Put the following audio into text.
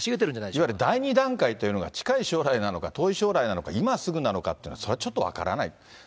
いわゆる第２段階というのが、近い将来なのか、遠い将来なのか、今すぐなのか、それはちょっと分からない。